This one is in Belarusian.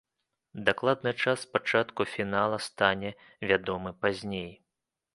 Дакладны час пачатку фінала стане вядомы пазней.